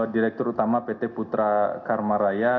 direktur pt putra karma raya